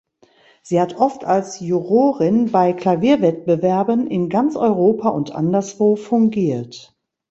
Sie hat oft als Jurorin bei Klavierwettbewerben in ganz Europa und anderswo fungiert.